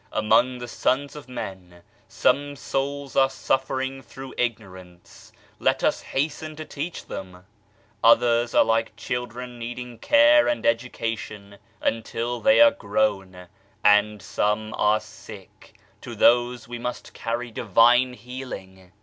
Among the sons of men some souls are suffering through ignorance, let us hasten to teach them ; others are like children needing care and education until they are grown, and some are sick to these we must carry Divine healing.